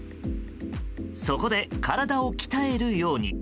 そこで、体を鍛えるように。